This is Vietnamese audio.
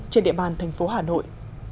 trên địa bàn thành phố hà nội